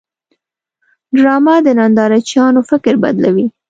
ډرامه د نندارچیانو فکر بدلوي